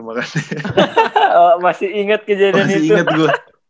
masih inget kejadian itu